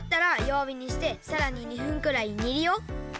わびにしてさらに２分くらいにるよ。